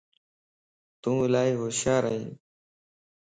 تون الائي هوشيار ائين